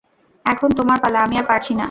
এখন তোমার পালা আমি আর পারছি না।